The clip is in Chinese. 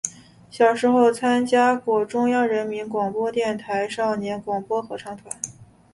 小时候参加过中央人民广播电台少年广播合唱团。